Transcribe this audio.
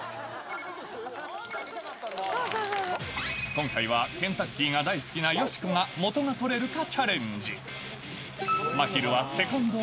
今回はケンタッキーが大好きなよしこが、元が取れるかチャレンジ。